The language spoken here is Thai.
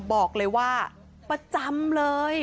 บอกเลยว่าประจำเลย